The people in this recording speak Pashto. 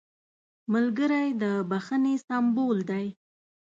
ملګری د بښنې سمبول دی